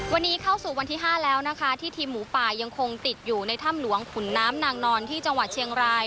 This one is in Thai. วันนี้เข้าสู่วันที่๕แล้วนะคะที่ทีมหมูป่ายังคงติดอยู่ในถ้ำหลวงขุนน้ำนางนอนที่จังหวัดเชียงราย